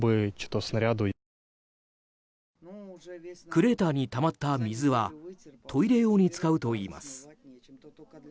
クレーターにたまった水はトイレ用に使うといいます。